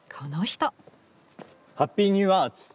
ハッピーニューアーツ！